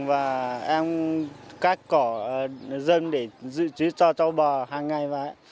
và em cắt cỏ dân để giữ trí cho châu bò hàng ngày